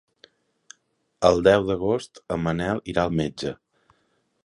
El deu d'agost en Manel irà al metge.